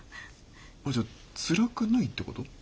あっじゃあつらくないってこと？